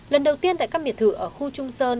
lần đầu tiên tại các biệt thự ở khu trung sơn